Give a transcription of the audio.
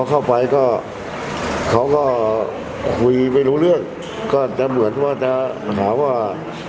เข้าไปก็เขาก็คุยไม่รู้เรื่องก็จะเหมือนว่าจะหาว่า